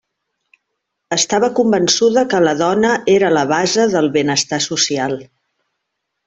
Estava convençuda que la dona era la base del benestar social.